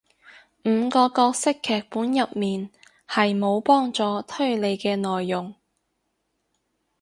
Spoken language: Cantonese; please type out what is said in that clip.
五個角色劇本入面係無幫助推理嘅內容